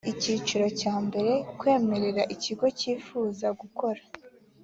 icyiciro cya mbere kwemerera ikigo cyifuza gukora